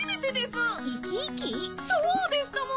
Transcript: そうですとも！